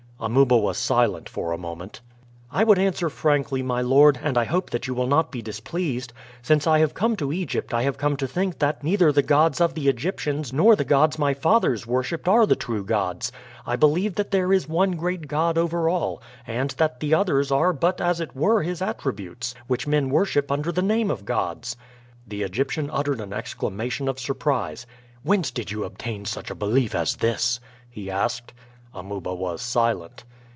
Amuba was silent for a moment. "I would answer frankly, my lord, and I hope that you will not be displeased. Since I have come to Egypt I have come to think that neither the gods of the Egyptians nor the gods my fathers worshiped are the true gods. I believe that there is one great God over all, and that the others are but as it were his attributes, which men worship under the name of gods." The Egyptian uttered an exclamation of surprise. "Whence did you obtain such a belief as this?" he asked. Amuba was silent.